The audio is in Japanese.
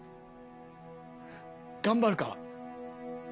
頑張るから。